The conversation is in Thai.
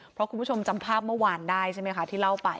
เพราะคุณผู้ชมจำภาพเมื่อวานได้ใช่ไหมคะที่เล่าไป